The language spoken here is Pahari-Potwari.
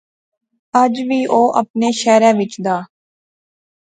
اج وی او اپنے شہرے وچ دا